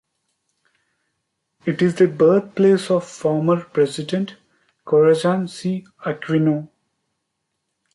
It is the birthplace of former President Corazon C. Aquino.